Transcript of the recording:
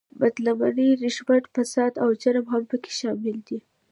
بد لمنۍ، رشوت، فساد او جرم هم په کې شامل دي.